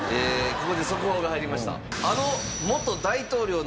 ここで速報が入りました。